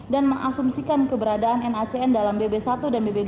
dan mengasumsikan keberadaan nacn dalam bb satu dan bb dua